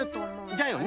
じゃよね。